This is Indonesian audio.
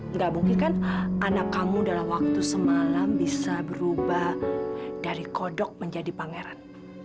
nggak mungkin kan anak kamu dalam waktu semalam bisa berubah dari kodok menjadi pangeran